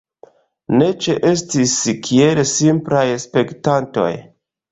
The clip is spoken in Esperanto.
Ni ĉeestis kiel simplaj spektantoj.